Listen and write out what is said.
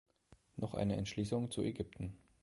Noch eine Entschließung zu Ägypten.